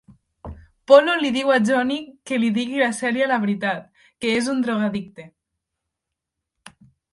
Polo li diu a Johnny que li digui a Cèlia la veritat, que és un drogoaddicte.